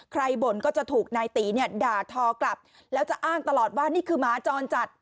บ่นก็จะถูกนายตีเนี่ยด่าทอกลับแล้วจะอ้างตลอดว่านี่คือหมาจรจัด